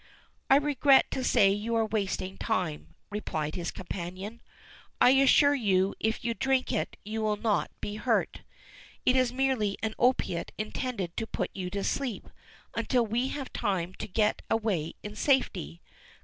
"I regret to say you are wasting time," replied his companion. "I assure you if you drink it you will not be hurt. It is merely an opiate intended to put you to sleep until we have time to get away in safety.